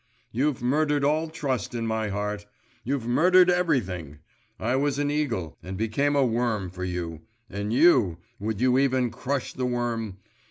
You've murdered all trust in my heart! You've murdered everything! I was an eagle, and became a worm for you … and you, would you even crush the worm?